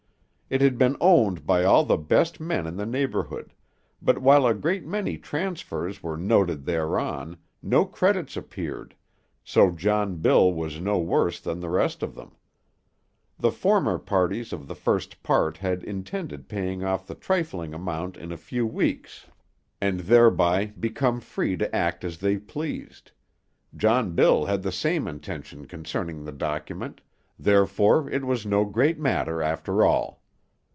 It had been owned by all the best men in the neighborhood; but while a great many transfers were noted thereon, no credits appeared, so John Bill was no worse than the rest of them. The former parties of the first part had intended paying off the trifling amount in a few weeks, and thereby become free to act as they pleased; John Bill had the same intention concerning the document, therefore it was no great matter after all.